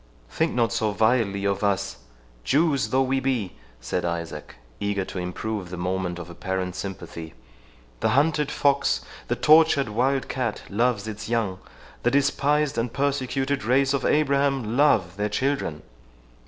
"Think not so vilely of us, Jews though we be," said Isaac, eager to improve the moment of apparent sympathy; "the hunted fox, the tortured wildcat loves its young—the despised and persecuted race of Abraham love their children!"